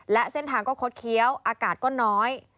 และเส้นทางก็คดเคี้ยวอากาศก็น้อย